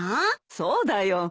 そうだよ。